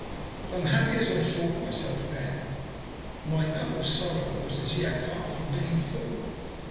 But unhappy as I thought myself then, my cup of sorrow was as yet far from being full.